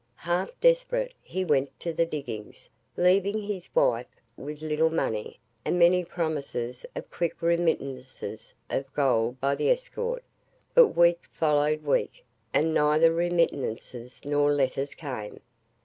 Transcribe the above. Half desperate, he went to the diggings, leaving his wife with little money, and many promises of quick remittances of gold by the escort. But week followed week, and neither remittances nor letters came.